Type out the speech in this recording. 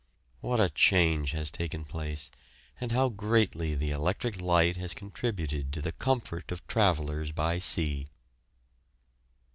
What a change has taken place, and how greatly the electric light has contributed to the comfort of travellers by sea!